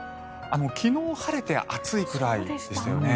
昨日晴れて暑いくらいでしたよね。